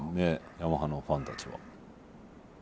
ヤマハのファンたちは。